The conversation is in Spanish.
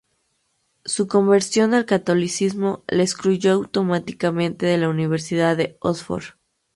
Su conversión al catolicismo le excluyó automáticamente de la universidad de Oxford.